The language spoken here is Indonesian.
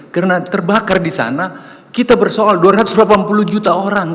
karena terbakar di sana kita bersoal dua ratus delapan puluh juta orang